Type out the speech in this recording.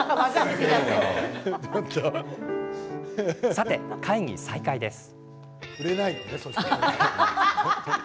さて、会議再開です。